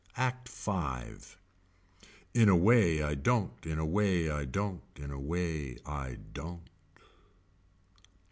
Act Five. In a way I don't in a way I don't. In a way I don't.